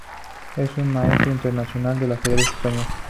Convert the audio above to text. Es un maestro internacional de ajedrez español.